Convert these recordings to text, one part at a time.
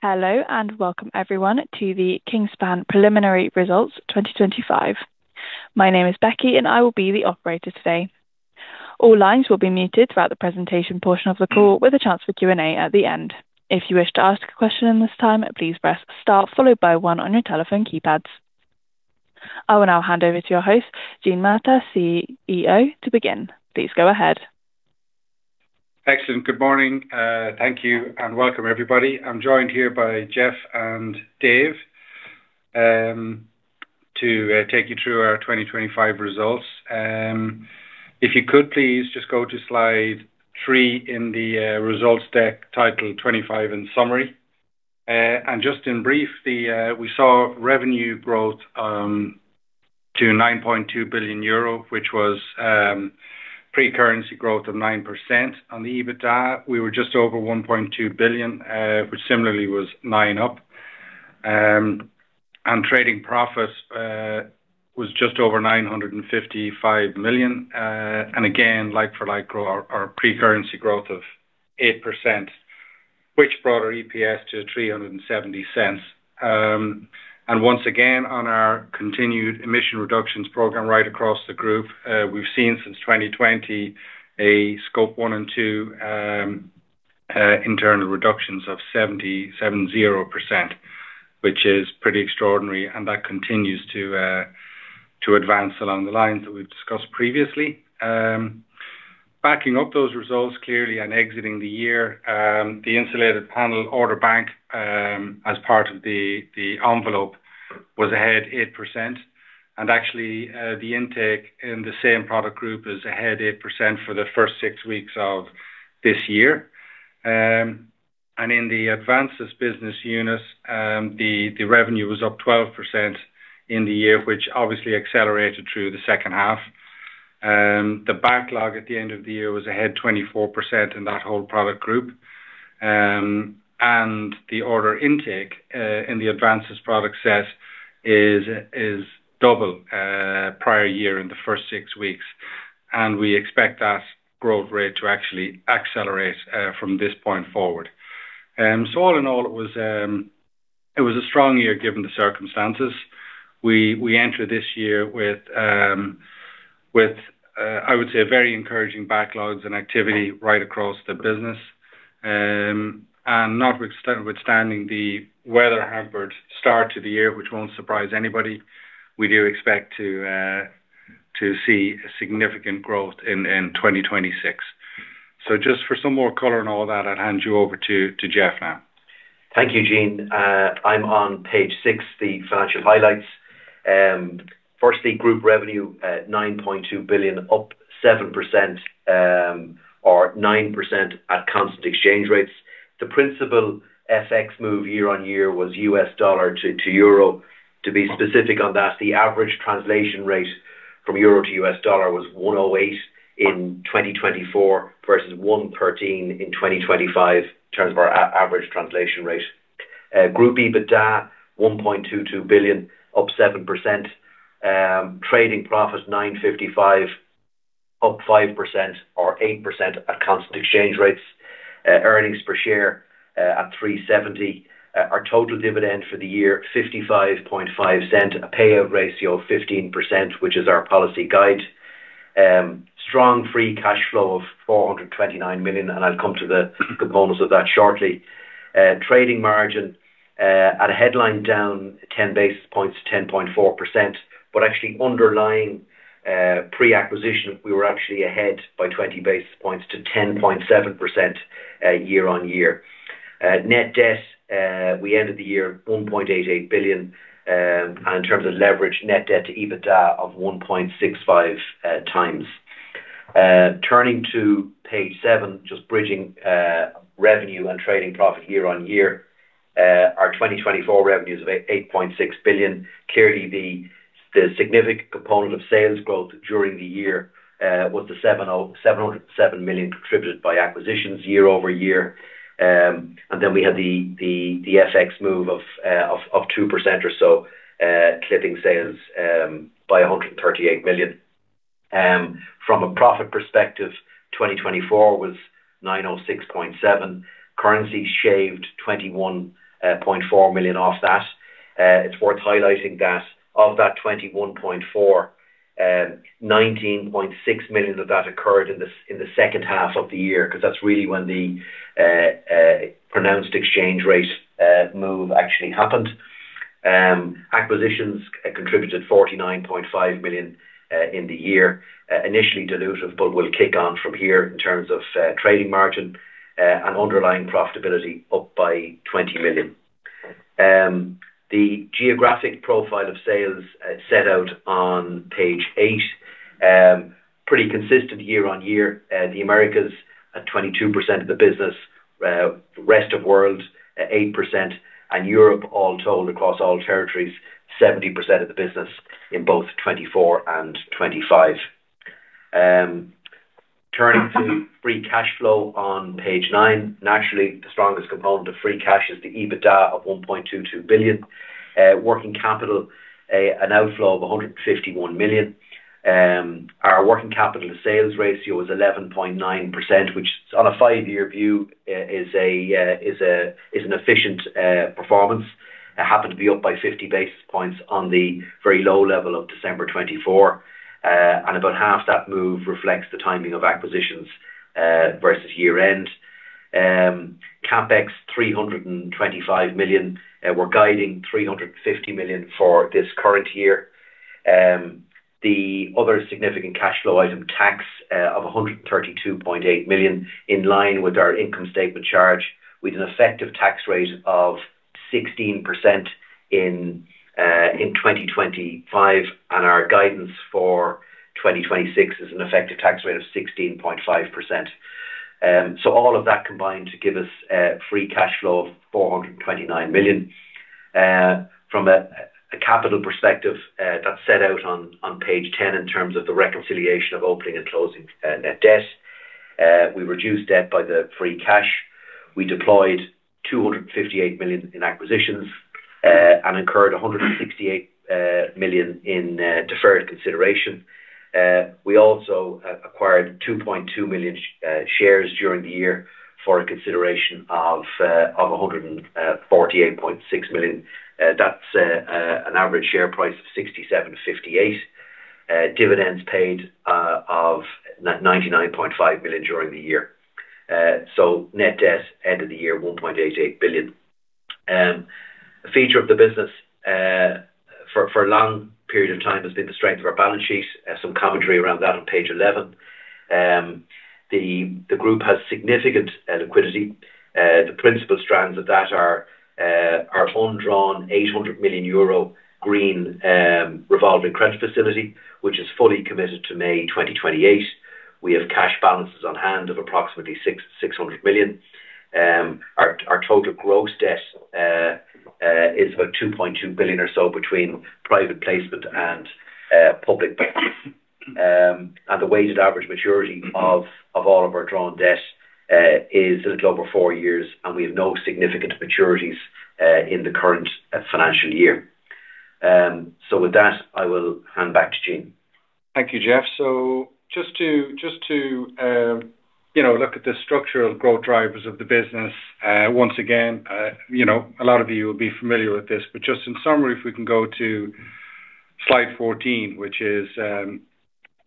Hello, and welcome everyone to the Kingspan Preliminary Results 2025. My name is Becky, and I will be the operator today. All lines will be muted throughout the presentation portion of the call, with a chance for Q&A at the end. If you wish to ask a question in this time, please press star followed by one on your telephone keypads. I will now hand over to your host, Gene Murtagh, CEO, to begin. Please go ahead. Excellent. Good morning, thank you and welcome, everybody. I'm joined here by Geoff and Dave to take you through our 2025 results. If you could please just go to slide 3 in the results deck titled 2025 in summary. Just in brief, we saw revenue growth to 9.2 billion euro, which was pre-currency growth of 9%. On the EBITDA, we were just over 1.2 billion, which similarly was 9% up. And trading profits was just over 955 million, and again, like-for-like or pre-currency growth of 8%, which brought our EPS to 3.70. Once again, on our continued emission reductions program right across the group, we've seen since 2020, a Scope 1 and 2 internal reductions of 77%, which is pretty extraordinary, and that continues to advance along the lines that we've discussed previously. Backing up those results clearly and exiting the year, the Insulated Panel order bank, as part of the Envelope, was ahead 8%. Actually, the intake in the same product group is ahead 8% for the first six weeks of this year. In the ADVNSYS business units, the revenue was up 12% in the year, which obviously accelerated through the second half. The backlog at the end of the year was ahead 24% in that whole product group. And the order intake in the ADVNSYS product set is double prior year in the first six weeks, and we expect that growth rate to actually accelerate from this point forward. So all in all, it was a strong year, given the circumstances. We entered this year with, I would say, very encouraging backlogs and activity right across the business. And notwithstanding the weather-hampered start to the year, which won't surprise anybody, we do expect to see a significant growth in 2026. So just for some more color and all that, I'll hand you over to Geoff now. Thank you, Gene. I'm on page six, the financial highlights. Firstly, group revenue at 9.2 billion, up 7%, or 9% at constant exchange rates. The principal FX move year-on-year was US dollar to euro. To be specific on that, the average translation rate from euro to U.S. dollar was 1.08 in 2024, versus 1.13 in 2025, in terms of our average translation rate. Group EBITDA, 1.22 billion, up 7%. Trading profit, 955 million, up 5% or 8% at constant exchange rates. Earnings per share at 3.70. Our total dividend for the year, 0.555, a payout ratio of 15%, which is our policy guide. Strong free cash flow of 429 million, and I'll come to the components of that shortly. Trading margin, at a headline, down 10 basis points to 10.4%, but actually underlying, pre-acquisition, we were actually ahead by 20 basis points to 10.7% year on year. Net debt, we ended the year 1.88 billion. In terms of leverage, net debt to EBITDA of 1.65 times. Turning to page seven, just bridging revenue and trading profit year on year. Our 2024 revenues of 8.6 billion. Clearly, the significant component of sales growth during the year was the 707 million contributed by acquisitions year over year. And then we had the FX move of 2% or so, clipping sales by 138 million. From a profit perspective, 2024 was 906.7. Currency shaved 21.4 million off that. It's worth highlighting that of that 21.4 million, 19.6 million of that occurred in the second half of the year, 'cause that's really when the pronounced exchange rate move actually happened. Acquisitions contributed 49.5 million in the year. Initially dilutive, but will kick on from here in terms of trading margin and underlying profitability up by 20 million. The geographic profile of sales set out on page 8, pretty consistent year-on-year. The Americas at 22% of the business, rest of world at 8%, and Europe, all told, across all territories, 70% of the business in both 2024 and 2025. Turning to free cash flow on page nine. Naturally, the strongest component of free cash is the EBITDA of 1.22 billion. Working capital, an outflow of 151 million. Our working capital to sales ratio is 11.9%, which on a five-year view, is an efficient performance. That happened to be up by 50 basis points on the very low level of December 2024. About half that move reflects the timing of acquisitions versus year end. CapEx, 325 million, and we're guiding 350 million for this current year. The other significant cash flow item, tax, of 132.8 million, in line with our income statement charge, with an effective tax rate of 16% in 2025, and our guidance for 2026 is an effective tax rate of 16.5%. All of that combined to give us free cash flow of 429 million. From a capital perspective, that's set out on page 10 in terms of the reconciliation of opening and closing net debt. We reduced debt by the free cash. We deployed 258 million in acquisitions, and incurred 168 million in deferred consideration. We also acquired 2.2 million shares during the year for a consideration of 148.6 million. That's an average share price of €67.58. Dividends paid of 99.5 million during the year. So net debt, end of the year, 1.88 billion. A feature of the business for a long period of time has been the strength of our balance sheet, some commentary around that on page 11. The group has significant liquidity. The principal strands of that are our undrawn 800 million euro green revolving credit facility, which is fully committed to May 2028. We have cash balances on hand of approximately 600 million. Our total gross debt is about 2.2 billion or so between private placement and public banks. The weighted average maturity of all of our drawn debt is a little over four years, and we have no significant maturities in the current financial year. With that, I will hand back to Gene. Thank you, Geoff. So just to, you know, look at the structural growth drivers of the business. Once again, you know, a lot of you will be familiar with this, but just in summary, if we can go to slide 14, which is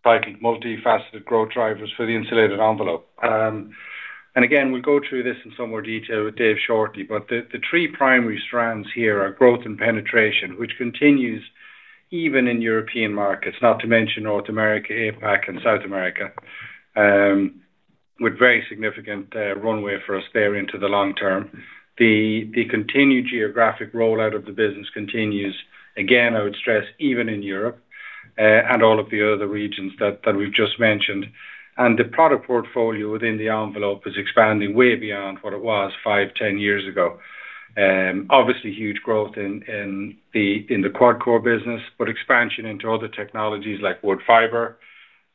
likely multifaceted growth drivers for the Insulated Envelope. And again, we'll go through this in some more detail with Dave shortly, but the three primary strands here are growth and penetration, which continues even in European markets, not to mention North America, APAC, and South America, with very significant runway for us there into the long term. The continued geographic rollout of the business continues, again, I would stress, even in Europe, and all of the other regions that we've just mentioned. The product portfolio within the Envelope is expanding way beyond what it was five, 10 years ago. Obviously, huge growth in the QuadCore business, but expansion into other technologies like wood fiber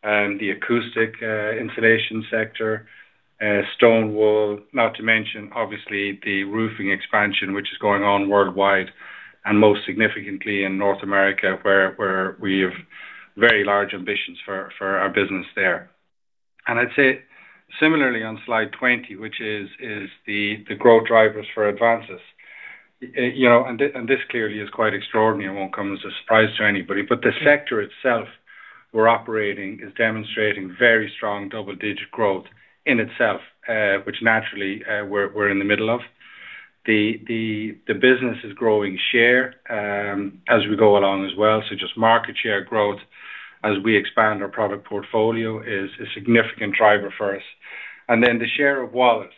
and the acoustic insulation sector, stonewool, not to mention, obviously, the roofing expansion, which is going on worldwide, and most significantly in North America, where we have very large ambitions for our business there. I'd say similarly on slide 20, which is the growth drivers for ADVNSYS. You know, and this clearly is quite extraordinary and won't come as a surprise to anybody, but the sector itself we're operating in is demonstrating very strong double-digit growth in itself, which naturally, we're in the middle of. The business is growing share as we go along as well. Market share growth as we expand our product portfolio is a significant driver for us. The share of wallet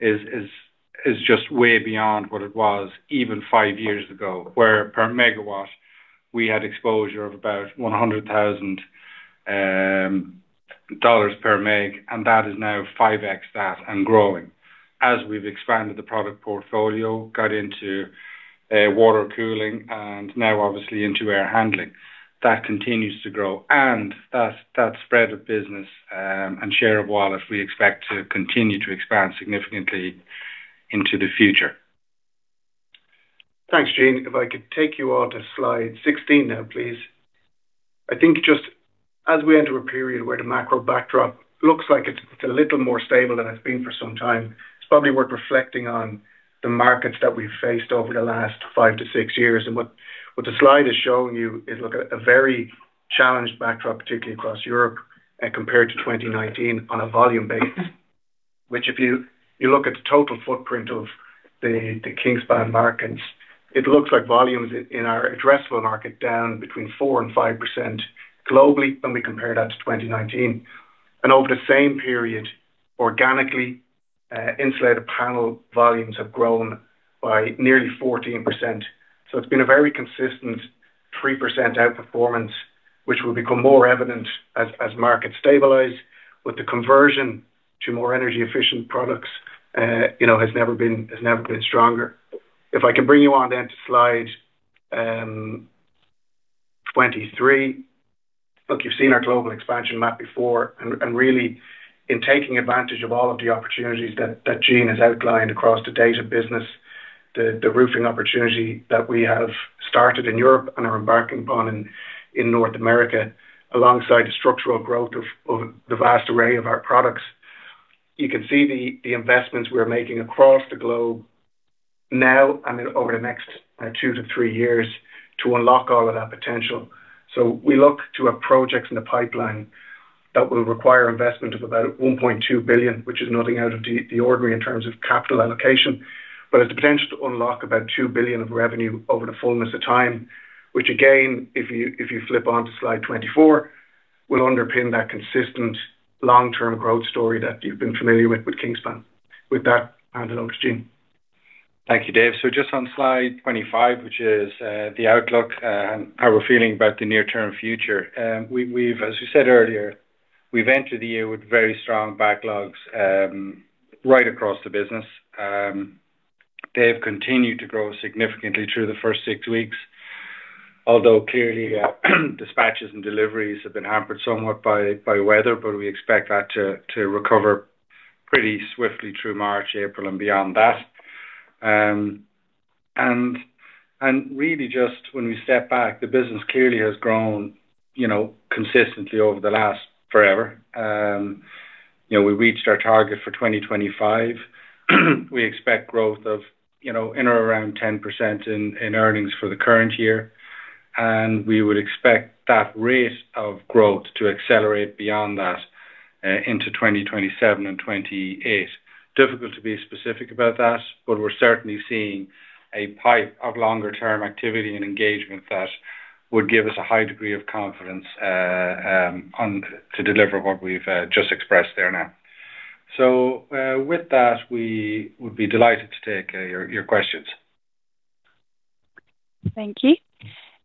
is just way beyond what it was even five years ago, where per megawatt, we had exposure of about $100,000 per meg, and that is now 5x that and growing. As we've expanded the product portfolio, got into water cooling and now obviously into air handling, that continues to grow. That spread of business and share of wallet, we expect to continue to expand significantly into the future. Thanks, Gene. If I could take you all to slide 16 now, please. I think just as we enter a period where the macro backdrop looks like it's a little more stable than it's been for some time, it's probably worth reflecting on the markets that we've faced over the last 5 to 6 years. What the slide is showing you is, look at a very challenged backdrop, particularly across Europe, compared to 2019 on a volume basis. Which if you look at the total footprint of the Kingspan markets, it looks like volumes in our addressable market, down between 4% and 5% globally when we compare that to 2019. Over the same period, organically, Insulated Panel volumes have grown by nearly 14%. So it's been a very consistent 3% outperformance, which will become more evident as markets stabilize. With the conversion to more energy-efficient products, you know, has never been stronger. If I can bring you on then to slide 23. Look, you've seen our global expansion map before, and really, in taking advantage of all of the opportunities that Gene has outlined across the data business, the roofing opportunity that we have started in Europe and are embarking upon in North America, alongside the structural growth of the vast array of our products. You can see the investments we're making across the globe now and then over the next 2-3 years to unlock all of that potential. So we look to have projects in the pipeline that will require investment of about 1.2 billion, which is nothing out of the ordinary in terms of capital allocation, but has the potential to unlock about 2 billion of revenue over the fullness of time, which again, if you flip onto slide 24, will underpin that consistent long-term growth story that you've been familiar with, with Kingspan. With that, hand it over to Gene. Thank you, Dave. Just on slide 25, which is the outlook and how we're feeling about the near-term future. We've, as we said earlier, entered the year with very strong backlogs right across the business. They have continued to grow significantly through the first six weeks, although clearly, dispatches and deliveries have been hampered somewhat by weather, but we expect that to recover pretty swiftly through March, April, and beyond that. Really, just when we step back, the business clearly has grown, you know, consistently over the last forever. You know, we reached our target for 2025. We expect growth of, you know, in or around 10% in earnings for the current year, and we would expect that rate of growth to accelerate beyond that into 2027 and 2028. difficult to be specific about that, but we're certainly seeing a pipe of longer-term activity and engagement that would give us a high degree of confidence to deliver what we've just expressed there now. So, with that, we would be delighted to take your questions. Thank you.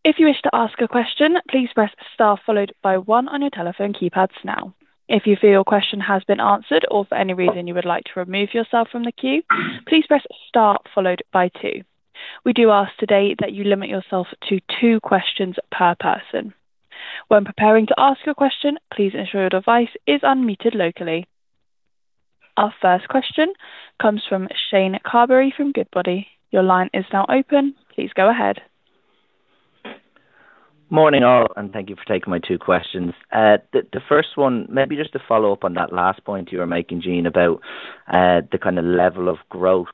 If you wish to ask a question, please press star followed by one on your telephone keypads now. If you feel your question has been answered or for any reason you would like to remove yourself from the queue, please press star followed by two. We do ask today that you limit yourself to two questions per person. When preparing to ask your question, please ensure your device is unmuted locally. Our first question comes from Shane Carberry from Goodbody. Your line is now open. Please go ahead. Morning, all, and thank you for taking my two questions. The first one, maybe just to follow up on that last point you were making, Gene, about the kind of level of growth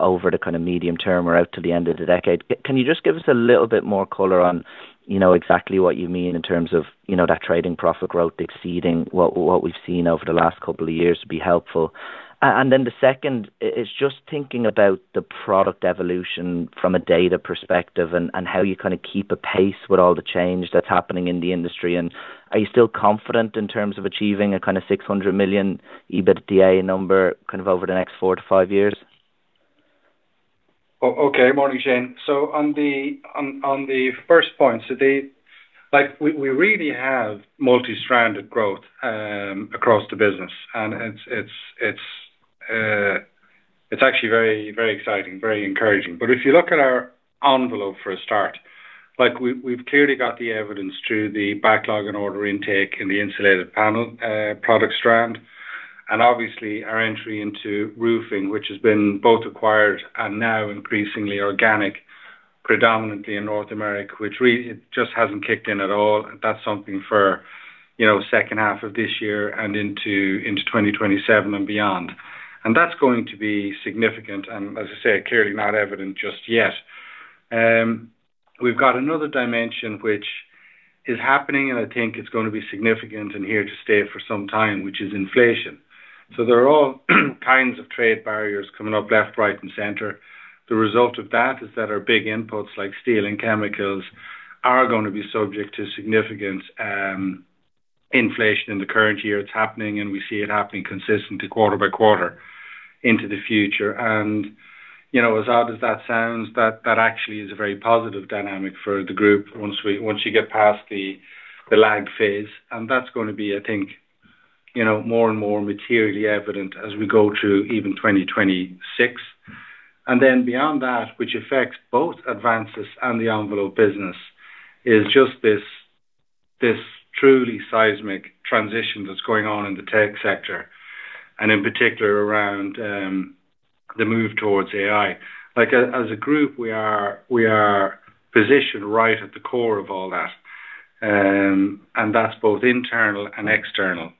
over the kind of medium term or out to the end of the decade. Can you just give us a little bit more color on, you know, exactly what you mean in terms of, you know, that trading profit growth exceeding what we've seen over the last couple of years would be helpful. And then the second is just thinking about the product evolution from a data perspective and how you kind of keep apace with all the change that's happening in the industry, and are you still confident in terms of achieving a kind of 600 million EBITDA number, kind of over the next 4-5 years? Okay. Morning, Shane. So on the first point, so the—like, we really have multi-stranded growth across the business, and it's actually very, very exciting, very encouraging. But if you look at our Envelope for a start, like we've clearly got the evidence through the backlog and order intake in the insulated panel product strand, and obviously our entry into roofing, which has been both acquired and now increasingly organic, predominantly in North America, which really, it just hasn't kicked in at all. That's something for, you know, second half of this year and into 2027 and beyond. And that's going to be significant, and as I say, clearly not evident just yet. We've got another dimension which is happening, and I think it's going to be significant and here to stay for some time, which is inflation. So there are all kinds of trade barriers coming up left, right, and center. The result of that is that our big inputs, like steel and chemicals, are going to be subject to significant inflation in the current year. It's happening, and we see it happening consistently quarter by quarter into the future. And, you know, as odd as that sounds, that, that actually is a very positive dynamic for the group once we-- once you get past the, the lag phase, and that's going to be, I think, you know, more and more materially evident as we go through even 2026. Beyond that, which affects both ADVNSYS and the Envelope business, is just this truly seismic transition that's going on in the tech sector, and in particular, around the move towards AI. Like, as a group, we are positioned right at the core of all that, and that's both internal and external.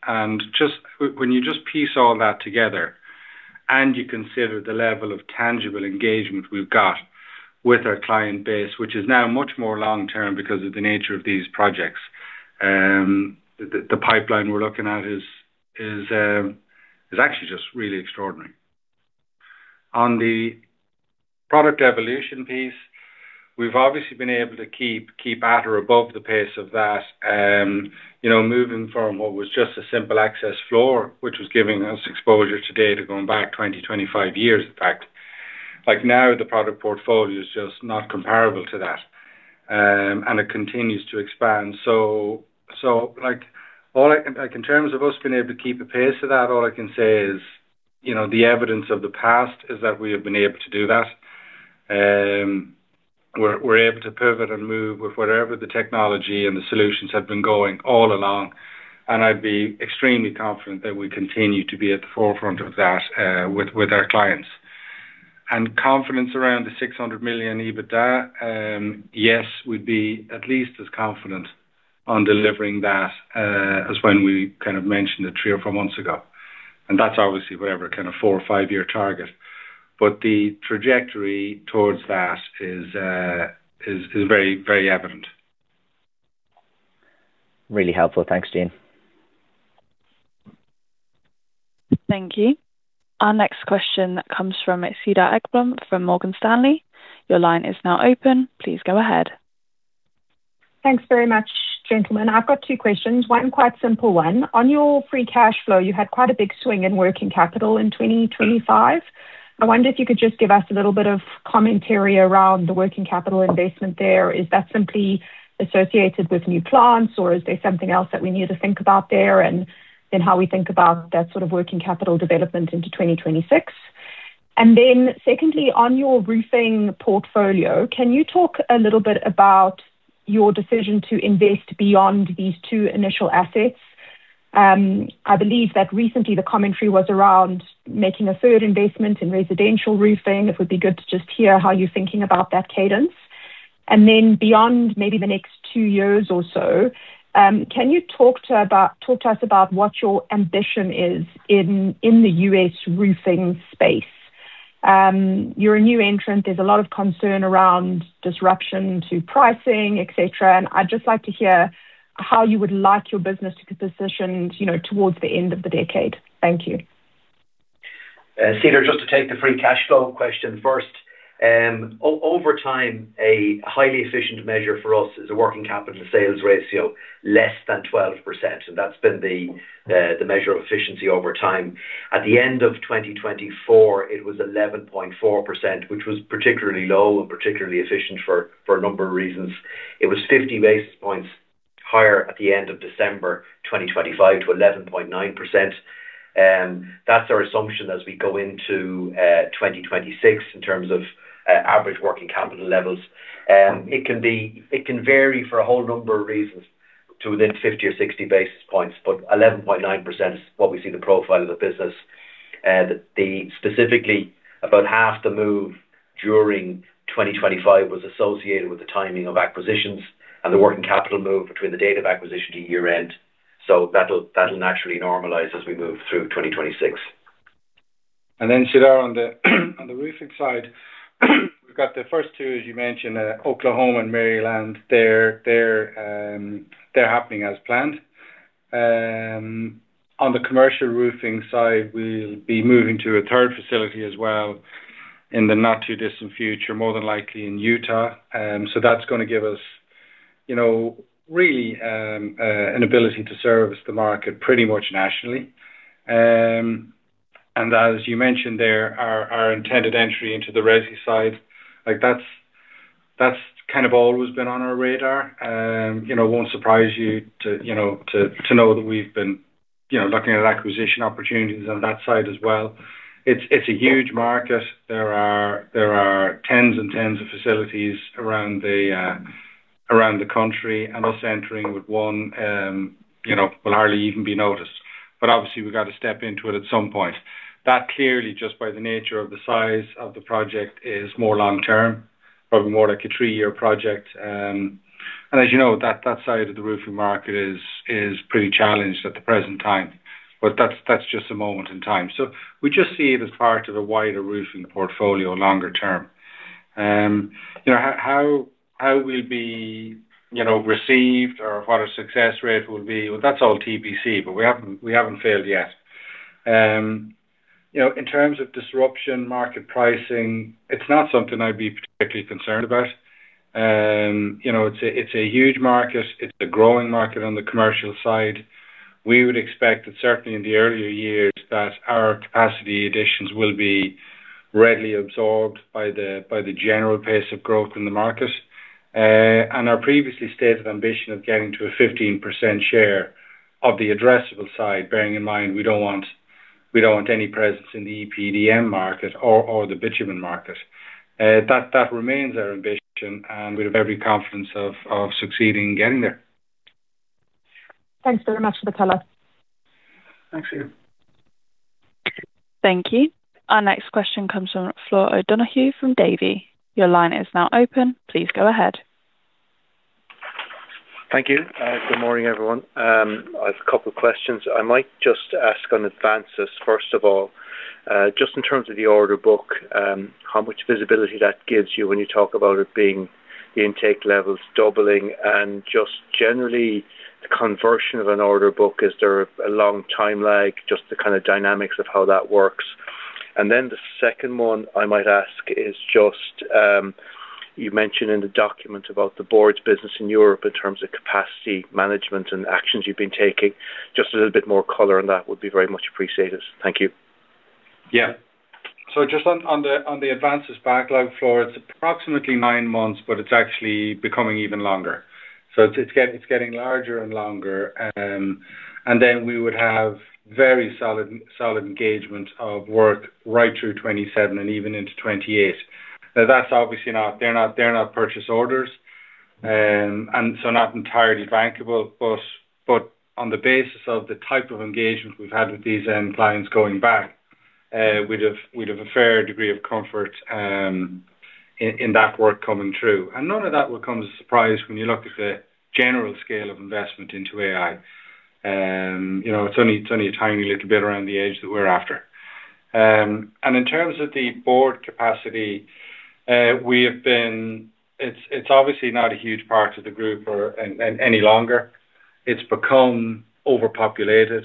When you just piece all that together, and you consider the level of tangible engagement we've got with our client base, which is now much more long-term because of the nature of these projects, the pipeline we're looking at is actually just really extraordinary. On the product evolution piece, we've obviously been able to keep, keep at or above the pace of that, you know, moving from what was just a simple access floor, which was giving us exposure today to going back 20, 25 years, in fact. Like now, the product portfolio is just not comparable to that, and it continues to expand. Like, all I can-- like in terms of us being able to keep apace of that, all I can say is, you know, the evidence of the past is that we have been able to do that. We're, we're able to pivot and move with whatever the technology and the solutions have been going all along, and I'd be extremely confident that we continue to be at the forefront of that, with, with our clients. Confidence around the 600 million EBITDA, yes, we'd be at least as confident on delivering that, as when we kind of mentioned it three or four months ago. That's obviously wherever kind of four or five-year target, but the trajectory towards that is, is, is very, very evident. Really helpful. Thanks, Gene. Thank you. Our next question comes from Cedar Ekblom from Morgan Stanley. Your line is now open. Please go ahead. Thanks very much, gentlemen. I've got two questions, one quite simple one. On your free cash flow, you had quite a big swing in working capital in 2025. I wonder if you could just give us a little bit of commentary around the working capital investment there. Is that simply associated with new plants, or is there something else that we need to think about there, and then how we think about that sort of working capital development into 2026? And then secondly, on your roofing portfolio, can you talk a little bit about your decision to invest beyond these two initial assets? I believe that recently the commentary was around making a third investment in residential roofing. It would be good to just hear how you're thinking about that cadence. Beyond maybe the next two years or so, can you talk to us about what your ambition is in the U.S. roofing space? You're a new entrant. There's a lot of concern around disruption to pricing, et cetera, and I'd just like to hear how you would like your business to be positioned, you know, towards the end of the decade. Thank you. Cedar, just to take the free cash flow question first. Over time, a highly efficient measure for us is a working capital sales ratio, less than 12%, and that's been the, the measure of efficiency over time. At the end of 2024, it was 11.4%, which was particularly low and particularly efficient for, for a number of reasons. It was 50 basis points higher at the end of December 2025 to 11.9%. That's our assumption as we go into, 2026 in terms of, average working capital levels. It can be-- it can vary for a whole number of reasons to within 50 or 60 basis points, but 11.9% is what we see the profile of the business. Specifically, about half the move during 2025 was associated with the timing of acquisitions and the working capital move between the date of acquisition to year-end. So that'll naturally normalize as we move through 2026. And then, Cedar, on the roofing side, we've got the first two, as you mentioned, Oklahoma and Maryland. They're happening as planned. On the commercial roofing side, we'll be moving to a third facility as well in the not-too-distant future, more than likely in Utah. So that's gonna give us, you know, really an ability to service the market pretty much nationally. And as you mentioned, there are our intended entry into the resi side, like, that's kind of always been on our radar. You know, it won't surprise you to know that we've been looking at acquisition opportunities on that side as well. It's a huge market. There are, there are tens and tens of facilities around the, around the country, and us entering with one, you know, will hardly even be noticed. But obviously, we've got to step into it at some point. That clearly, just by the nature of the size of the project, is more long term, probably more like a three-year project. And as you know, that, that side of the roofing market is, is pretty challenged at the present time, but that's, that's just a moment in time. So we just see it as part of a wider roofing portfolio longer term. You know, how, how, how we'll be, you know, received or what our success rate will be, well, that's all TBC, but we haven't, we haven't failed yet. You know, in terms of disruption, market pricing, it's not something I'd be particularly concerned about. You know, it's a huge market. It's a growing market on the commercial side. We would expect that certainly in the earlier years, our capacity additions will be readily absorbed by the general pace of growth in the market. And our previously stated ambition of getting to a 15% share of the addressable side, bearing in mind, we don't want any presence in the EPDM market or the bitumen market. That remains our ambition, and we have every confidence of succeeding in getting there. Thanks very much for the color. Thanks, Cedar. Thank you. Our next question comes from Flor O'Donoghue from Davy. Your line is now open. Please go ahead. Thank you. Good morning, everyone. I've a couple questions I might just ask on ADVNSYS. First of all, just in terms of the order book, how much visibility that gives you when you talk about it being the intake levels doubling and just generally the conversion of an order book, is there a long time lag, just the kind of dynamics of how that works? The second one I might ask is just, you mentioned in the document about the board's business in Europe in terms of capacity management and actions you've been taking. Just a little bit more color on that would be very much appreciated. Thank you. Yeah. So just on the ADVNSYS backlog, Flor, it's approximately nine months, but it's actually becoming even longer. So it's getting larger and longer, and then we would have very solid engagement of work right through 2027 and even into 2028. Now, that's obviously not—they're not purchase orders. And so not entirely bankable, but on the basis of the type of engagement we've had with these end clients going back, we'd have a fair degree of comfort in that work coming through. And none of that will come as a surprise when you look at the general scale of investment into AI. You know, it's only a tiny little bit around the age that we're after. In terms of the board capacity, we have been-- it's obviously not a huge part of the group any longer. It's become overpopulated,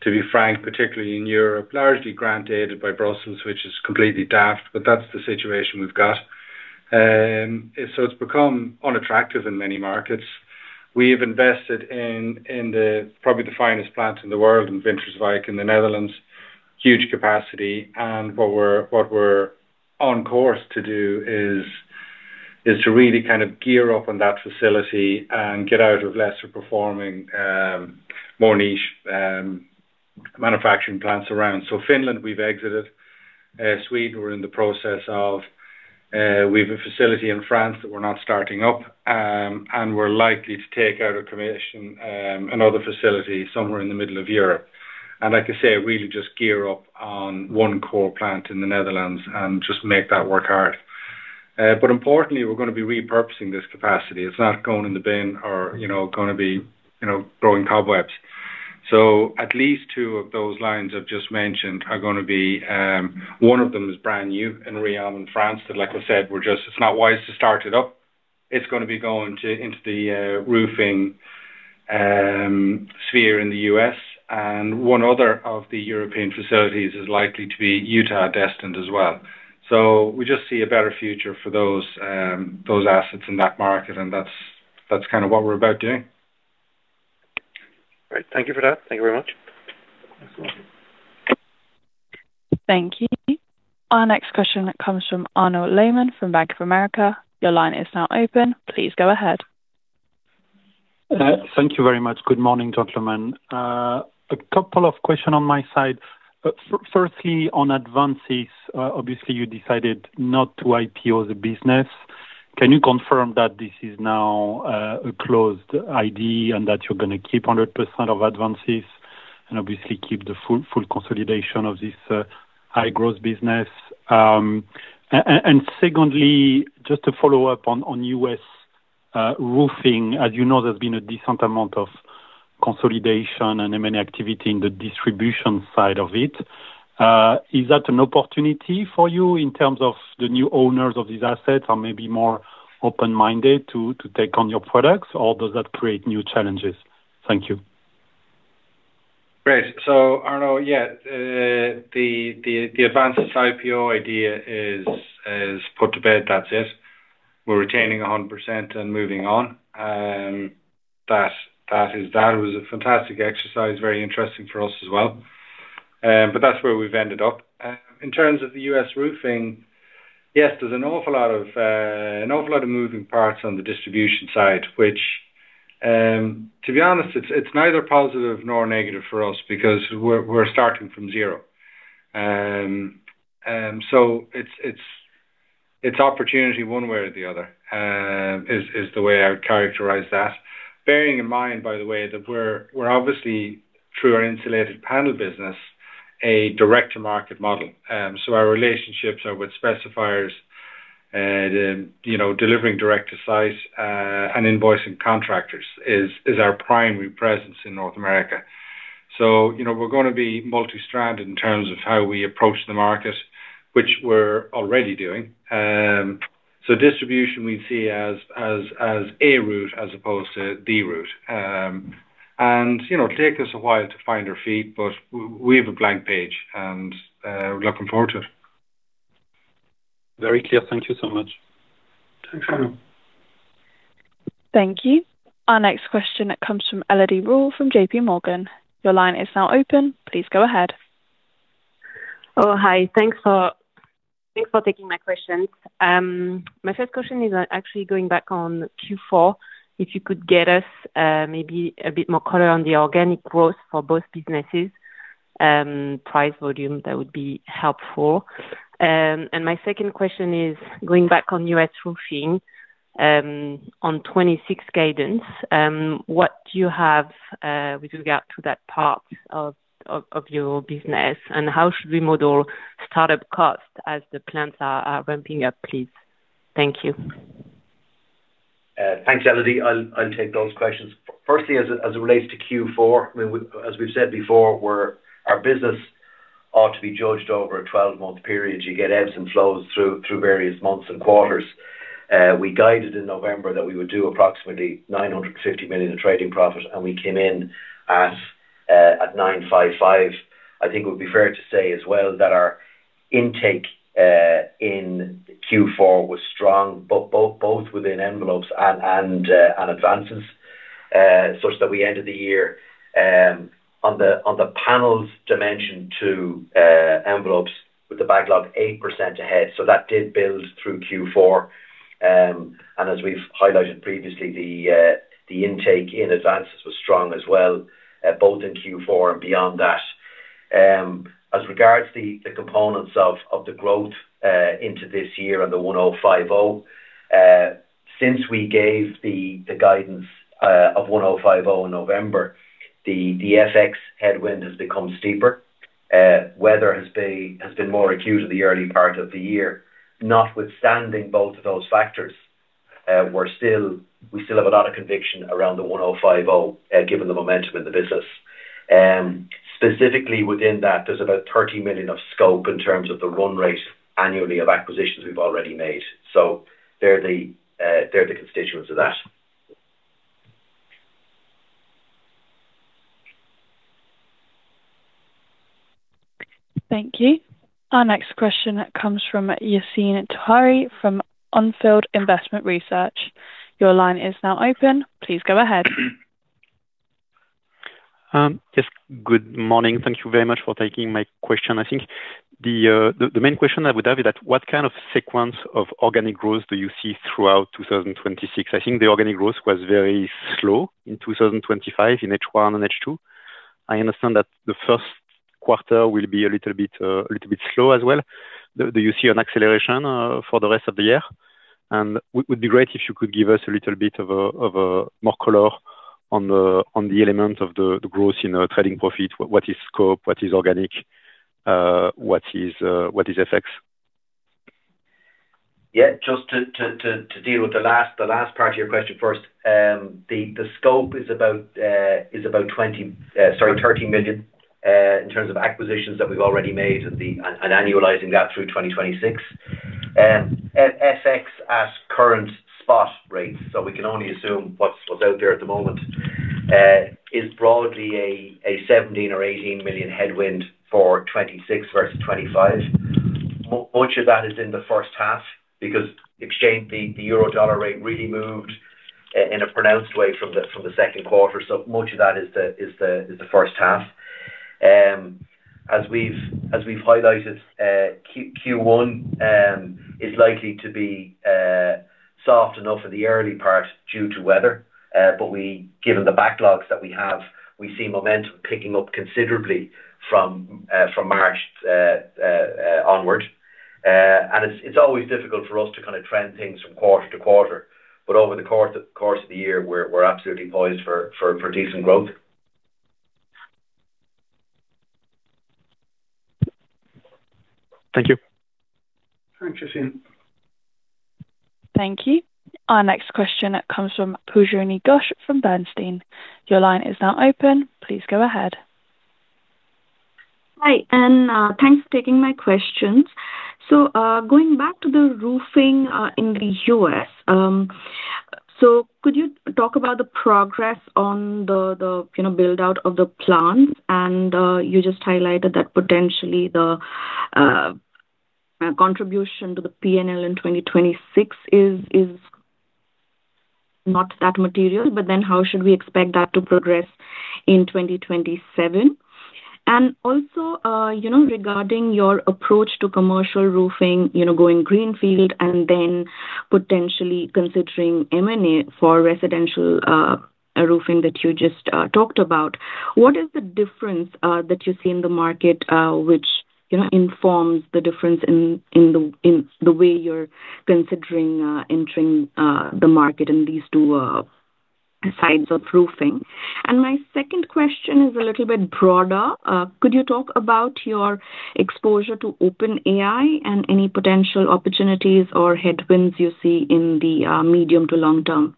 to be frank, particularly in Europe, largely granted by Brussels, which is completely daft, but that's the situation we've got. It's become unattractive in many markets. We've invested in probably the finest plant in the world, in Winterswijk, in the Netherlands. Huge capacity, and what we're on course to do is to really kind of gear up on that facility and get out of lesser performing, more niche manufacturing plants around. Finland, we've exited. Sweden, we're in the process of... We have a facility in France that we're not starting up, and we're likely to take out of commission another facility somewhere in the middle of Europe. And like I say, really just gear up on one core plant in the Netherlands and just make that work hard. But importantly, we're gonna be repurposing this capacity. It's not going in the bin or, you know, gonna be, you know, growing cobwebs. So at least two of those lines I've just mentioned are gonna be, one of them is brand new, in Riom in France, that, like I said, we're just—it's not wise to start it up. It's gonna be going to, into the, roofing sphere in the U.S., and one other of the European facilities is likely to be Utah-destined as well. So we just see a better future for those, those assets in that market, and that's, that's kind of what we're about doing. Great. Thank you for that. Thank you very much. Thank you. Our next question comes from Arnaud Lehmann from Bank of America. Your line is now open. Please go ahead. Thank you very much. Good morning, gentlemen. A couple of questions on my side. Firstly, on ADVNSYS, obviously you decided not to IPO the business. Can you confirm that this is now a closed idea and that you're gonna keep 100% of ADVNSYS and obviously keep the full, full consolidation of this high-growth business? And secondly, just to follow up on U.S. roofing. As you know, there's been a decent amount of consolidation and M&A activity in the distribution side of it. Is that an opportunity for you in terms of the new owners of these assets are maybe more open-minded to take on your products, or does that create new challenges? Thank you. Great. Arnaud, yeah, the ADVNSYS IPO idea is put to bed. That's it. We're retaining 100% and moving on. That was a fantastic exercise, very interesting for us as well. That's where we've ended up. In terms of the U.S. roofing, yes, there's an awful lot of, an awful lot of moving parts on the distribution side, which, to be honest, it's neither positive nor negative for us because we're starting from zero. It's opportunity one way or the other, is the way I would characterize that. Bearing in mind, by the way, that we're obviously, through our Insulated Panels business, a direct-to-market model. So our relationships are with specifiers and, you know, delivering direct to size, and invoicing contractors is our primary presence in North America. So, you know, we're gonna be multi-stranded in terms of how we approach the market, which we're already doing. So distribution we'd see as a route as opposed to the route. And, you know, it'll take us a while to find our feet, but we have a blank page, and we're looking forward to it. Very clear. Thank you so much. Thanks, Arnaud. Thank you. Our next question comes from Elodie Rall, from JPMorgan. Your line is now open. Please go ahead. Oh, hi. Thanks for, thanks for taking my questions. My first question is actually going back on Q4. If you could get us, maybe a bit more color on the organic growth for both businesses, price volume, that would be helpful. My second question is, going back on U.S. roofing, on 2026 guidance, what do you have with regard to that part of your business, and how should we model start-up costs as the plants are ramping up, please? Thank you. Thanks, Elodie. I'll take those questions. Firstly, as it relates to Q4, I mean, as we've said before, our business ought to be judged over a 12-month period. You get ebbs and flows through various months and quarters. We guided in November that we would do approximately 950 million in trading profit, and we came in at 955. I think it would be fair to say as well, that our intake in Q4 was strong, both within Envelopes and ADVNSYS, such that we ended the year on the panels dimension to Envelopes with the backlog 8% ahead. So that did build through Q4. And as we've highlighted previously, the intake in ADVNSYS was strong as well, both in Q4 and beyond that. As regards to the components of the growth into this year and the 105, since we gave the guidance of 105 in November, the FX headwind has become steeper. Weather has been more acute in the early part of the year. Notwithstanding both of those factors, we're still-- we still have a lot of conviction around the 105, given the momentum in the business. Specifically within that, there's about 30 million of scope in terms of the run rate annually of acquisitions we've already made. They're the constituents of that. Thank you. Our next question comes from Yassine Touahri from On Field Investment Research. Your line is now open. Please go ahead. Yes, good morning. Thank you very much for taking my question. I think the main question I would have is that what kind of sequence of organic growth do you see throughout 2026? I think the organic growth was very slow in 2025, in H1 and H2. I understand that the first quarter will be a little bit, a little bit slow as well. Do you see an acceleration for the rest of the year? Would be great if you could give us a little bit of a, of a more color on the element of the growth in our trading profit. What is scope? What is organic? What is FX? Yeah, just to deal with the last part of your question first. The scope is about thirteen million in terms of acquisitions that we've already made and annualizing that through 2026. At FX, at current spot rates, so we can only assume what's out there at the moment, is broadly a seventeen or eighteen million headwind for 2026 versus 2025. Much of that is in the first half because exchange, the euro dollar rate really moved in a pronounced way from the second quarter, so much of that is the first half. As we've highlighted, Q1 is likely to be soft enough in the early part due to weather, but given the backlogs that we have, we see momentum picking up considerably from March onwards. And it's always difficult for us to kind of trend things from quarter to quarter, but over the course of the year, we're absolutely poised for decent growth. Thank you. Thanks, Yassine. Thank you. Our next question comes from Pujarini Ghosh from Bernstein. Your line is now open. Please go ahead. Hi, and thanks for taking my questions. So, going back to the roofing in the US. So could you talk about the progress on the you know, build-out of the plant? And you just highlighted that potentially the contribution to the P&L in 2026 is not that material, but then how should we expect that to progress in 2027? And also you know, regarding your approach to commercial roofing, you know, going greenfield and then potentially considering M&A for residential roofing that you just talked about, what is the difference that you see in the market which you know, informs the difference in the way you're considering entering the market in these two sides of roofing? And my second question is a little bit broader. Could you talk about your exposure to OpenAI and any potential opportunities or headwinds you see in the medium to long term?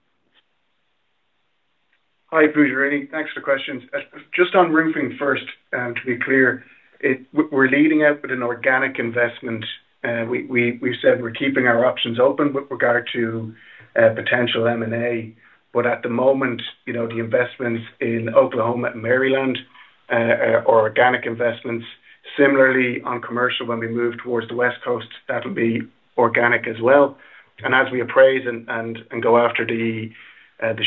Hi, Pujarini. Thanks for the questions. Just on roofing first, to be clear, it, we're leading out with an organic investment. We've said we're keeping our options open with regard to potential M&A, but at the moment, you know, the investments in Oklahoma and Maryland are organic investments. Similarly, on commercial, when we move towards the West Coast, that'll be organic as well. And as we appraise and go after the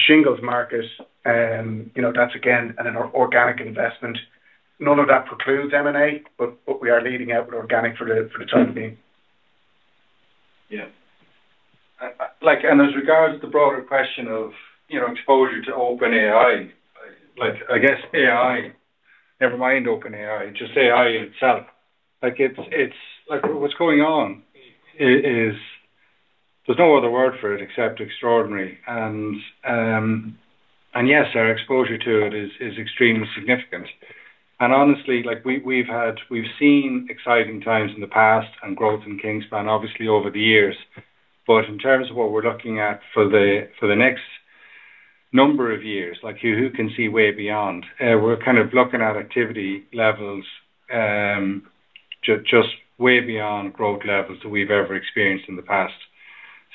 shingles market, you know, that's again, an organic investment. None of that precludes M&A, but we are leading out with organic for the time being. Yeah. Like, and as regards to the broader question of, you know, exposure to OpenAI, like, I guess AI, never mind OpenAI, just AI itself, like, it's like what's going on is. There's no other word for it except extraordinary. And yes, our exposure to it is extremely significant. And honestly, like we've seen exciting times in the past and growth in Kingspan, obviously, over the years. But in terms of what we're looking at for the next number of years, like, who can see way beyond? We're kind of looking at activity levels, just way beyond growth levels that we've ever experienced in the past.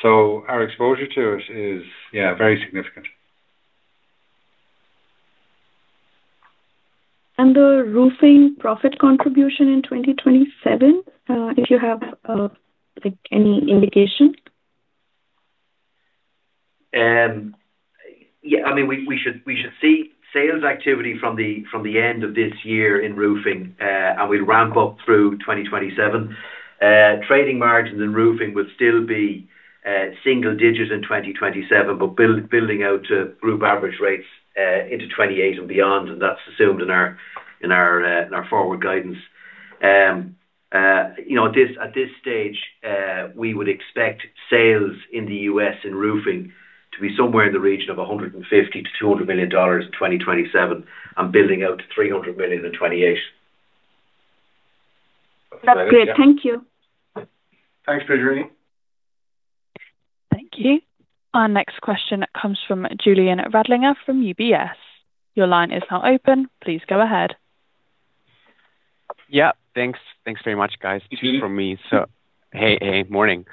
So our exposure to it is, yeah, very significant. The roofing profit contribution in 2027, if you have, like, any indication? Yeah, I mean, we should see sales activity from the end of this year in roofing, and we'll ramp up through 2027. Trading margins in roofing will still be single digits in 2027, but building out to group average rates into 2028 and beyond. That's assumed in our forward guidance. You know, at this, at this stage, we would expect sales in the US in roofing to be somewhere in the region of $150 million-$200 million in 2027, and building out to $300 million in 2028. That's great. Thank you. Thanks, Pujarini. Thank you. Our next question comes from Julian Radlinger from UBS. Your line is now open. Please go ahead. Yeah, thanks. Thanks very much, guys. Two from me. So hey, morning.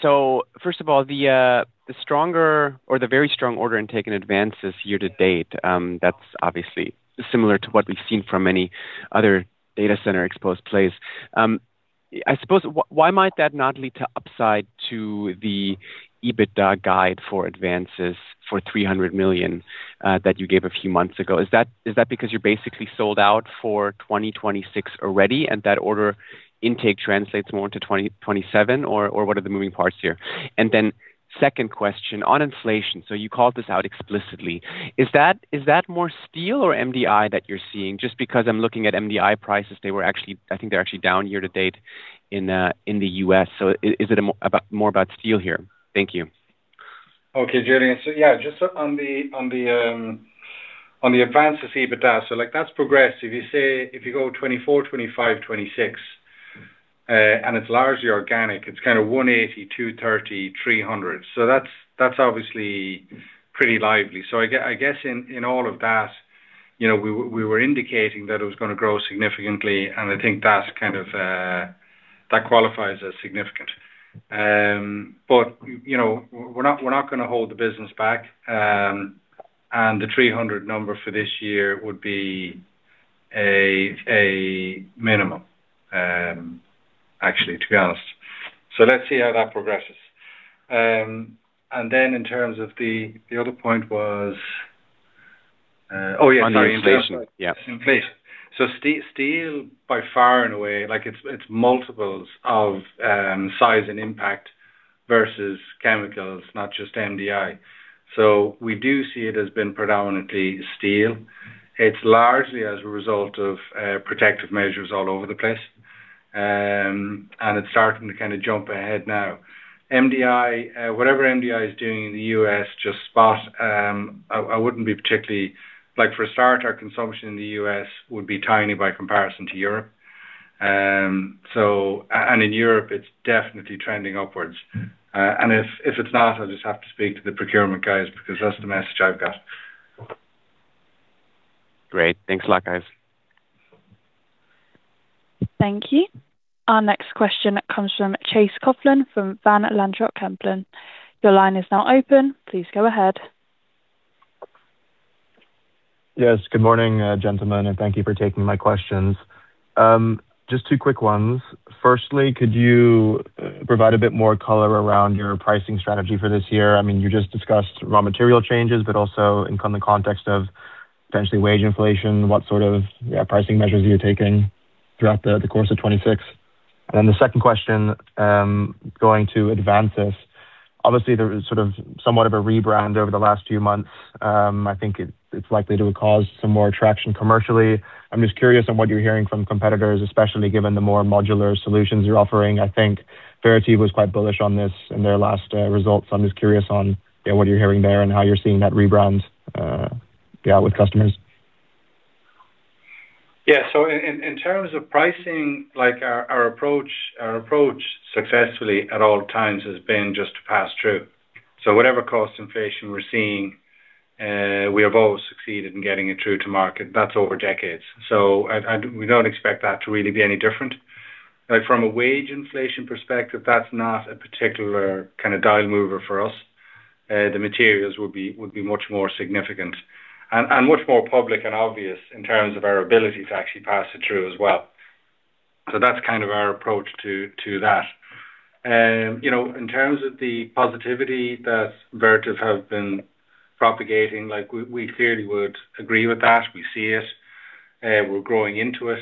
So first of all, the stronger or the very strong order intake in ADVNSYS year to date, that's obviously similar to what we've seen from many other data center exposed plays. I suppose, why might that not lead to upside to the EBITDA guide for ADVNSYS for 300 million, that you gave a few months ago? Is that because you're basically sold out for 2026 already, and that order intake translates more into 2027 or what are the moving parts here? And then second question on inflation, so you called this out explicitly. Is that more steel or MDI that you're seeing? Just because I'm looking at MDI prices, they were actually... I think they're actually down year to date in the U.S. So is it more about, more about steel here? Thank you. Okay, Julian. So yeah, just on the ADVNSYS EBITDA, so like that's progressive. You say if you go 2024, 2025, 2026, and it's largely organic, it's kind of 180, 230, 300. So that's obviously pretty lively. So I guess in all of that, you know, we were indicating that it was gonna grow significantly, and I think that's kind of that qualifies as significant. But, you know, we're not gonna hold the business back. And the EURO 300 million number for this year would be a minimum, actually, to be honest. So let's see how that progresses. And then in terms of the... the other point was, oh, yeah- On the inflation. Yeah. Inflation. So steel by far and away, like it's, it's multiples of, size and impact versus chemicals, not just MDI. So we do see it as been predominantly steel. It's largely as a result of, protective measures all over the place. And it's starting to kind of jump ahead now. MDI, whatever MDI is doing in the U.S., just spot, I wouldn't be particularly... Like, for a start, our consumption in the US would be tiny by comparison to Europe. So and in Europe, it's definitely trending upwards. And if it's not, I'll just have to speak to the procurement guys because that's the message I've got. Great. Thanks a lot, guys. Thank you. Our next question comes from Chase Coughlan from Van Lanschot Kempen. Your line is now open. Please go ahead. Yes, good morning, gentlemen, and thank you for taking my questions. Just two quick ones. Firstly, could you provide a bit more color around your pricing strategy for this year? I mean, you just discussed raw material changes, but also in the context of potentially wage inflation, what sort of, yeah, pricing measures are you taking throughout the course of 2026? The second question, going to ADVNSYS. Obviously, there is sort of somewhat of a rebrand over the last few months. I think it, it's likely to cause some more attraction commercially. I'm just curious on what you're hearing from competitors, especially given the more modular solutions you're offering. I think Vertiv was quite bullish on this in their last results. I'm just curious on, yeah, what you're hearing there and how you're seeing that rebrand, yeah, with customers. Yeah. So in terms of pricing, like our approach successfully at all times has been just to pass through. So whatever cost inflation we're seeing, we have always succeeded in getting it through to market. That's over decades. So I... we don't expect that to really be any different. Like, from a wage inflation perspective, that's not a particular kind of dial mover for us. The materials would be much more significant and much more public and obvious in terms of our ability to actually pass it through as well. So that's kind of our approach to that. You know, in terms of the positivity that Vertiv have been propagating, like, we clearly would agree with that. We see it, we're growing into it.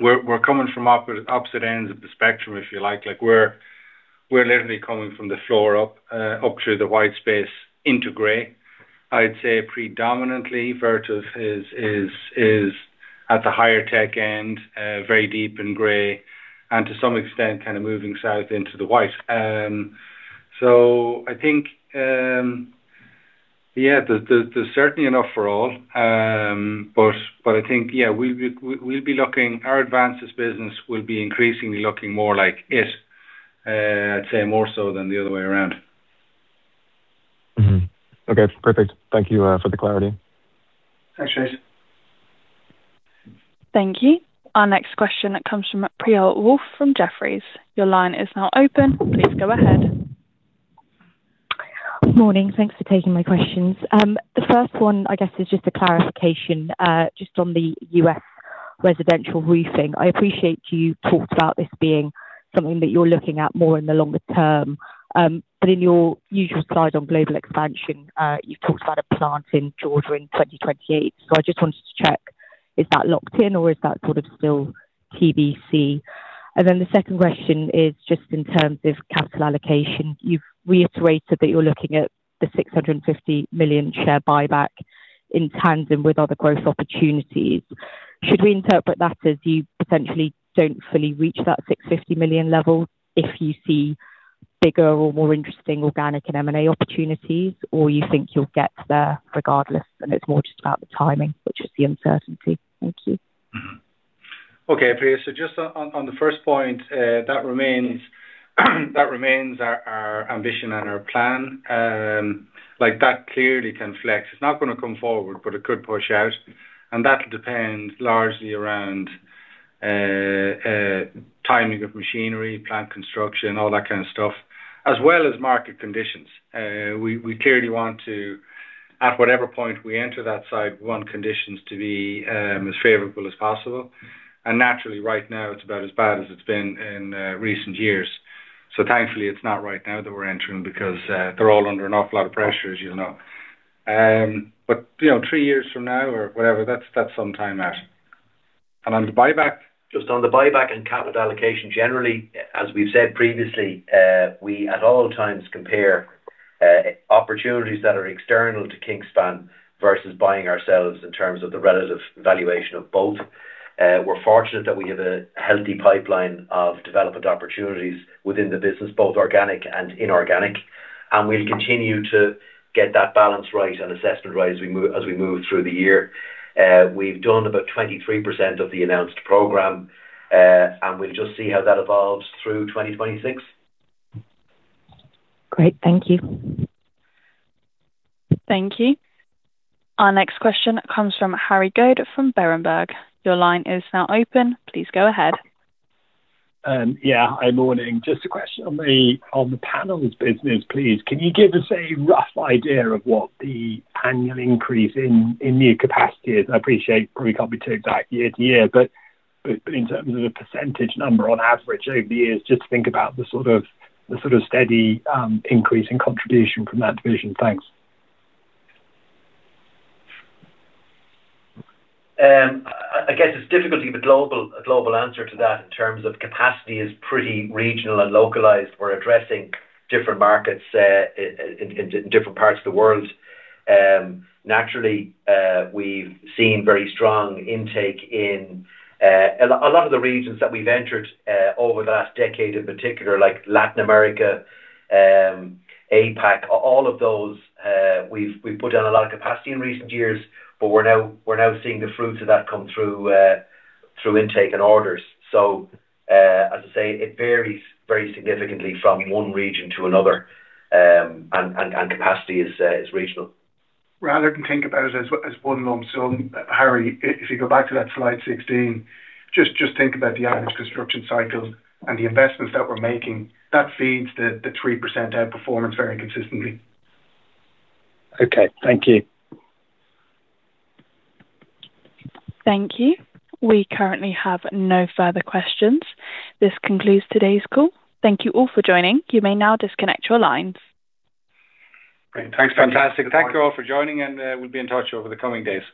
We're coming from opposite ends of the spectrum, if you like. Like, we're literally coming from the floor up, up through the white space into gray. I'd say predominantly, Vertiv is at the higher tech end, very deep in gray, and to some extent, kind of moving south into the white. I think, yeah, there's certainly enough for all. I think, yeah, we'll be looking... Our ADVNSYS business will be increasingly looking more like it, I'd say more so than the other way around. Mm-hmm. Okay, perfect. Thank you for the clarity. Thanks, Chace. Thank you. Our next question comes from Priyal Woolf from Jefferies. Your line is now open. Please go ahead. Good morning. Thanks for taking my questions. The first one, I guess, is just a clarification, just on the U.S. residential roofing. I appreciate you talked about this being something that you're looking at more in the longer term, but in your usual slide on global expansion, you've talked about a plant in Georgia in 2028. So I just wanted to check, is that locked in or is that sort of still TBC? And then the second question is just in terms of capital allocation. You've reiterated that you're looking at the 650 million share buyback in tandem with other growth opportunities. Should we interpret that as you potentially don't fully reach that 650 million level if you see bigger or more interesting organic and M&A opportunities, or you think you'll get there regardless, and it's more just about the timing, which is the uncertainty? Thank you. Mm-hmm. Okay, Priyal. So just on the first point, that remains our ambition and our plan. Like, that clearly can flex. It's not gonna come forward, but it could push out, and that depends largely around timing of machinery, plant construction, all that kind of stuff, as well as market conditions. We clearly want to, at whatever point we enter that site, want conditions to be as favorable as possible. And naturally, right now, it's about as bad as it's been in recent years. So thankfully, it's not right now that we're entering because they're all under an awful lot of pressure, as you know. But, you know, three years from now or whatever, that's some time out. And on the buyback? Just on the buyback and capital allocation, generally, as we've said previously, we at all times compare opportunities that are external to Kingspan versus buying ourselves in terms of the relative valuation of both. We're fortunate that we have a healthy pipeline of development opportunities within the business, both organic and inorganic, and we'll continue to get that balance right and assessment right as we move through the year. We've done about 23% of the announced program, and we'll just see how that evolves through 2026. Great. Thank you. Thank you. Our next question comes from Harry Goad from Berenberg. Your line is now open. Please go ahead. Yeah, hi, morning. Just a question on the panels business, please. Can you give us a rough idea of what the annual increase in new capacity is? I appreciate probably can't be too exact year to year, but in terms of the percentage number on average over the years, just think about the sort of steady increase in contribution from that division. Thanks. I guess it's difficult to give a global answer to that in terms of capacity. It's pretty regional and localized. We're addressing different markets in different parts of the world. Naturally, we've seen very strong intake in a lot of the regions that we've entered over the last decade, in particular, like Latin America, APAC, all of those. We've put down a lot of capacity in recent years, but we're now seeing the fruits of that come through, through intake and orders. As I say, it varies very significantly from one region to another, and capacity is regional. Rather than think about it as one lump sum, Harry, if you go back to that slide 16, just think about the average construction cycles and the investments that we're making. That feeds the 3% outperformance very consistently. Okay. Thank you. Thank you. We currently have no further questions. This concludes today's call. Thank you all for joining. You may now disconnect your lines. Great. Thanks. Fantastic. Thank you all for joining and, we'll be in touch over the coming days.